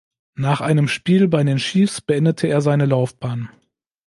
Nach einem Spiel bei den Chiefs beendete er seine Laufbahn.